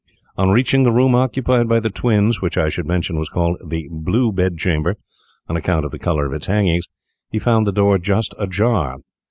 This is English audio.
On reaching the room occupied by the twins, which I should mention was called the Blue Bed Chamber, on account of the colour of its hangings, he found the door just ajar.